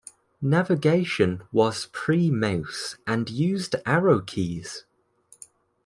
Navigation was pre-mouse and used arrow keys.